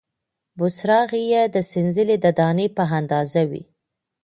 بوسراغې یې د سنځلې د دانې په اندازه وې،